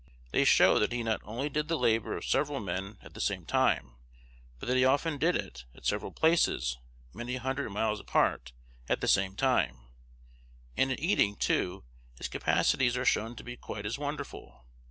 They show that he not only did the labor of several men at the same time, but that he often did it, at several places many hundred miles apart, at the same time. And at eating, too, his capacities are shown to be quite as wonderful.